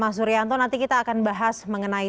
mas suryanto nanti kita akan bahas mengenai